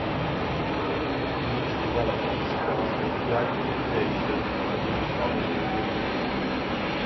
These developments caused the gradual creation of a new governing elite.